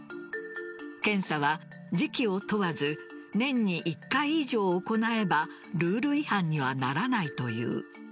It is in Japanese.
検査は時期を問わず年に１回以上行えばルール違反にはならないという。